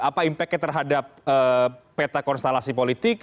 apa impactnya terhadap peta konstelasi politik